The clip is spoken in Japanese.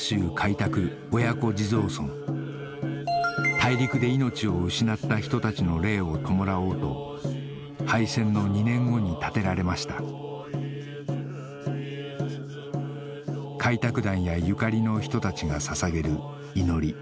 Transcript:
大陸で命を失った人たちの霊を弔おうと敗戦の２年後に建てられました開拓団やゆかりの人たちがささげる祈り